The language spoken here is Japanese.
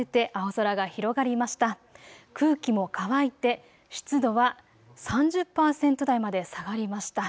空気も乾いて湿度は３０％台まで下がりました。